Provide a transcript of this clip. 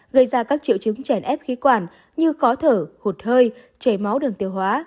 gây ra các triệu chứng chèn ép khí quản như khó thở hụt hơi chảy máu đường tiêu hóa